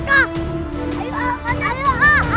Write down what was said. akasep baru menolong mereka